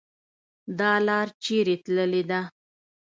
.دا لار چیري تللې ده؟